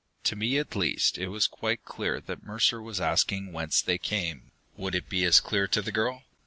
To me, at least, it was quite clear that Mercer was asking whence they came. Would it be as clear to the girl?